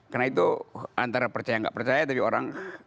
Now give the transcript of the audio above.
karena itu antara percaya gak percaya tapi orang